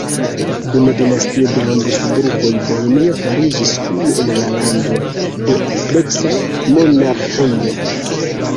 Dum dinastio de Habsburgoj Bohemio fariĝis unu el landoj de ampleksa monarĥio.